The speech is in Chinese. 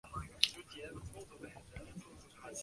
蒯越和黄祖的儿子黄射担任过章陵太守。